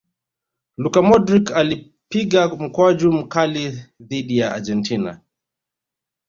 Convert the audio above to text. luka modric alipiga mkwaju mkali dhidi ya argentina